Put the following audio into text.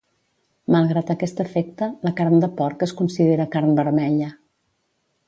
Malgrat aquest efecte, la carn de porc es considera carn vermella.